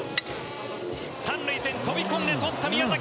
３塁線飛び込んでとった宮崎。